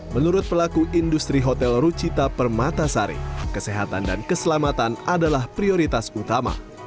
menurut pelaku industri hotel rucita permatasari kesehatan dan keselamatan adalah prioritas utama